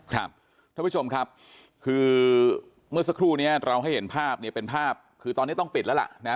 ท่านผู้ชมครับคือเมื่อสักครู่นี้เราให้เห็นภาพเนี่ยเป็นภาพคือตอนนี้ต้องปิดแล้วล่ะนะ